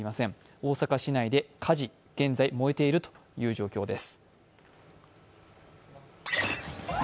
大阪市内で火事、現在燃えているということです。